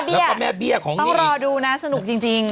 แล้วก็แม่เบี้ยของเราต้องรอดูนะสนุกจริง